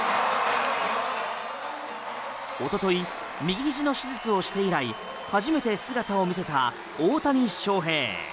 一昨日右ひじの手術をして以来初めて姿を見せた大谷翔平。